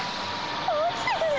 おちてくる⁉